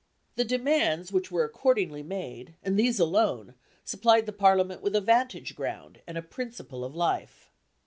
The demands which were accordingly made, and these alone, supplied the Parliament with a vantage ground, and a principle of life.